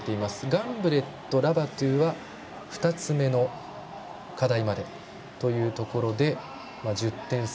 ガンブレット、ラバトゥは２つ目の課題までというところで１０点差。